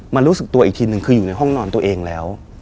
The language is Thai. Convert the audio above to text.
รู้สึกตัวอีกทีนึงคืออยู่ในห้องนอนตัวเองแล้ว